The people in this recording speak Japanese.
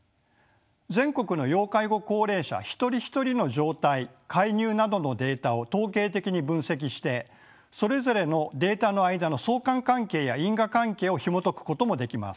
全国の要介護高齢者一人一人の状態介入などのデータを統計的に分析してそれぞれのデータの間の相関関係や因果関係をひもとくこともできます。